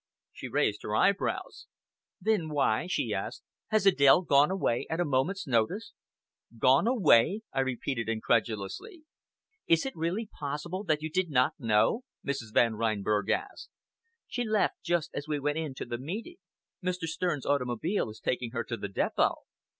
She raised her eyebrows. "Then why," she asked, "has Adèle gone away at a moment's notice?" "Gone away!" I repeated incredulously. "Is it really possible that you did not know?" Mrs. Van Reinberg asked. "She left just as we went in to the meeting. Mr. Stern's automobile is taking her to the depot."